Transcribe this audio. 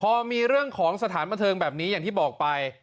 พอมีเรื่องของสถานบันเทิงแบบนี้อย่างที่บอกไป